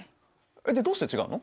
でどうして違うの？